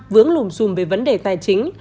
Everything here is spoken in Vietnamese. vướng lùm dùm về vấn đề tài chính